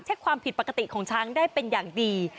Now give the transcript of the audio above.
ความผิดปกติของช้างได้เป็นอย่างดี